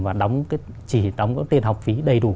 và chỉ đóng cái tiền học phí đầy đủ